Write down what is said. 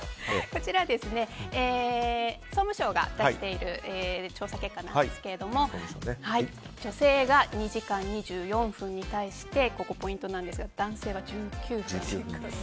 こちら、総務省が出している調査結果なんですけれども女性が２時間２４分に対してここ、ポイントなんですが男性が１９分。